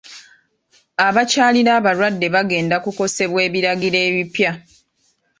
Abakyalira abalwadde bagenda kukosebwa ebiragiro ebipya.